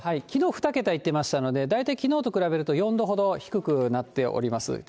きのう、２桁いってましたので、大体きのうと比べると４度ほど低くなっております。